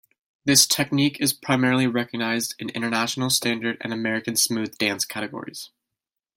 This technique is primarily recognized in International Standard and American Smooth dance categories.